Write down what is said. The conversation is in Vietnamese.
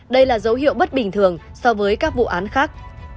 đây là dấu hiệu bất bình thường so với các vụ án khác